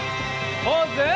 ポーズ！